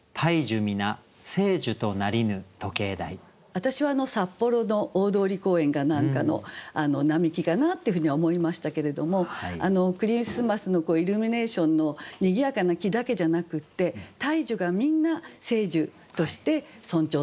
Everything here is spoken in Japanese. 私は札幌の大通公園か何かの並木かなっていうふうには思いましたけれどもクリスマスのイルミネーションのにぎやかな木だけじゃなくって大樹がみんな聖樹として尊重されるっていうかね。